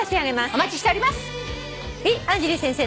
お待ちしております！